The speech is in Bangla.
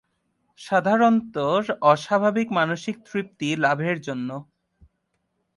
সাধারণত অস্বাভাবিক মানসিক তৃপ্তি লাভের জন্য।